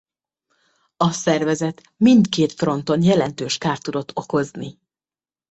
A szervezet mindkét fronton jelentős kárt tudott okozni.